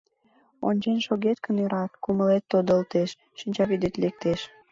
Ончен шогет гын, ӧрат, кумылет тодылтеш, шинчавӱдет лектеш.